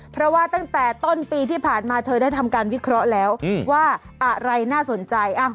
เพราะว่าตั้งแต่ต้นปีที่ผ่านมาเธอได้ทำการวิเคราะห์แล้วว่าอะไรน่าสนใจ